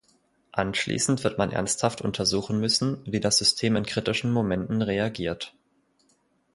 Anschließend wird man ernsthaft untersuchen müssen, wie das System in kritischen Momenten reagiert.